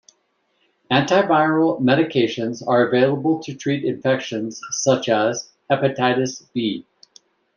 Anti-viral medications are available to treat infections such as hepatitis B.